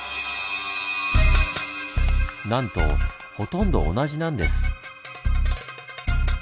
なんとほとんど同じなんです。